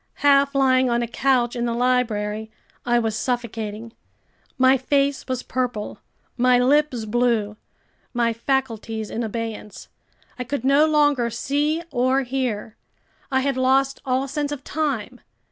Half lying on a couch in the library, I was suffocating. My face was purple, my lips blue, my faculties in abeyance. I could no longer see or hear. I had lost all sense of time.